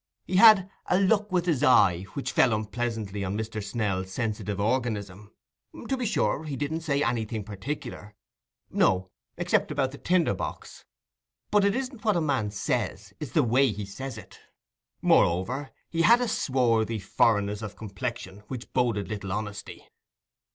He had a "look with his eye" which fell unpleasantly on Mr. Snell's sensitive organism. To be sure, he didn't say anything particular—no, except that about the tinder box—but it isn't what a man says, it's the way he says it. Moreover, he had a swarthy foreignness of complexion which boded little honesty.